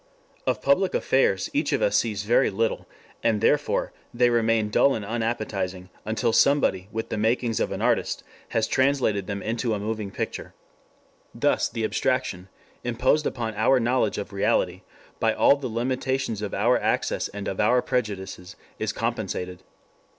Of public affairs each of us sees very little, and therefore, they remain dull and unappetizing, until somebody, with the makings of an artist, has translated them into a moving picture. Thus the abstraction, imposed upon our knowledge of reality by all the limitations of our access and of our prejudices, is compensated.